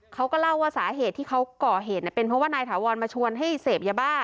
เขาก็เล่าว่าสาเหตุที่เขาก่อเหตุเป็นเพราะว่านายถาวรมาชวนให้เสพยาบ้า